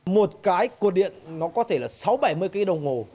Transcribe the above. một cái cột điện nó có thể là sáu bảy mươi cái đồng hồ